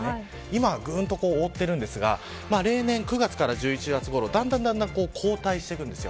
今はぐんと覆っていますが例年９月から１１月ごろだんだん後退していきます。